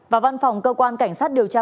và văn phòng cơ quan cảnh sát điều tra